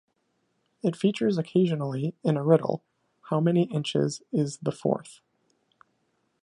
It features occasionally in a riddle, How many inches is the Forth?